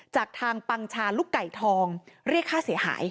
จากทางปังชาลูกไก่ทองเรียกค่าเสียหาย